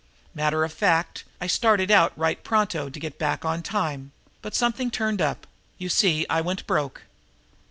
Matter of fact I started right pronto to get back on time, but something turned up. You see, I went broke."